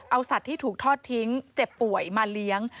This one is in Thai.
เอาสัตว์ที่ถูกทอดทิ้งเจ็บป่วยมาเลี้ยง